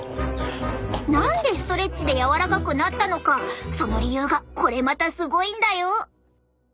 何でストレッチで柔らかくなったのかその理由がこれまたすごいんだよ！